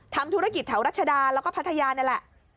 ทำธุรกิจแถวรัชดาแล้วก็พัทยานี่แหละ